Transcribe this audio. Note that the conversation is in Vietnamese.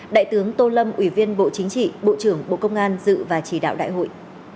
đại tướng tô lâm ủy viên bộ chính trị bộ trưởng bộ công an dự và chỉ đạo đại hội